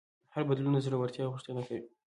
هر بدلون د زړهورتیا غوښتنه کوي.